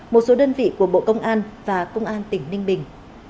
một số đơn vị của bộ công an và công an tỉnh ninh bình